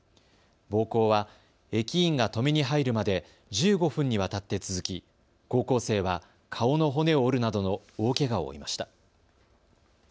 暴行は駅員が止めに入るまで１５分にわたって続き高校生は、顔の骨を折るなどの大けがを負いました。